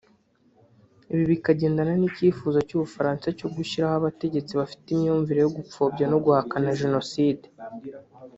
Ibi bikagendana n’icyifuzo cy’u Bufaransa cyo gushyiraho abategetsi bafite imyumvire yo gupfobya no guhakana Jenoside